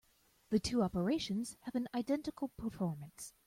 The two operations have an identical performance.